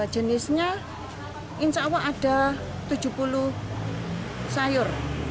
jenisnya insya allah ada tujuh puluh sayur